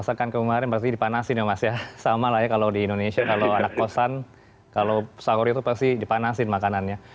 masakan kemarin pasti dipanasin ya mas ya sama lah ya kalau di indonesia kalau anak kosan kalau sahur itu pasti dipanasin makanannya